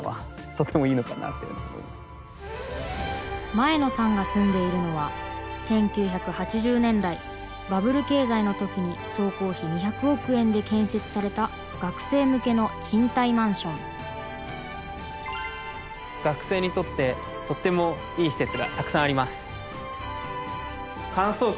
前野さんが住んでいるのは１９８０年代バブル経済の時に総工費２００億円で建設された学生向けの賃貸マンション学生にとってとってもいい施設がたくさんあります。